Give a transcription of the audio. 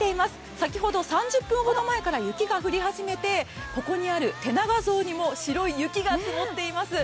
先ほど３０分ほど前から雪が降り始めて、ここにある像にも白い雪が積もっています。